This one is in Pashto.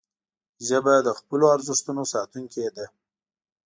ژبه د خپلو ارزښتونو ساتونکې ده